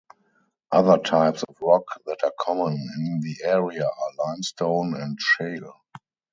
Other types of rock that are common in the area are limestone and shale.